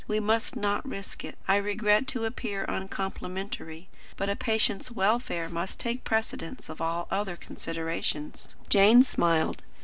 We must not risk it. I regret to appear uncomplimentary, but a patient's welfare must take precedence of all other considerations." Jane smiled.